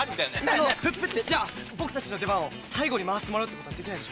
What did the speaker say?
あのじゃあ僕たちの出番を最後に回してもらうってことはできないでしょうか？